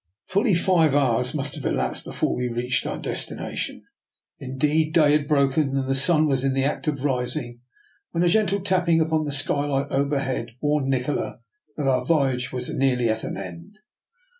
Fully five hours must have elapsed before Sve reached our destination; indeed, day had broken, and the sun was in the act of rising, when a gentle tapping upon the skylight overhead warned Nikola that our voyage was nearly at an end.